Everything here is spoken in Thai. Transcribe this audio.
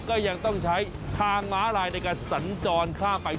ก็ยังต้องใช้ทางม้าลายในการสัญจรข้ามไป